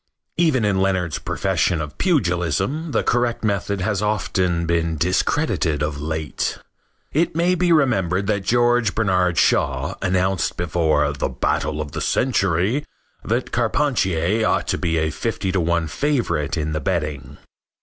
Even in Leonard's profession of pugilism the correct method has often been discredited of late. It may be remembered that George Bernard Shaw announced before "the battle of the century" that Carpentier ought to be a fifty to one favorite in the betting.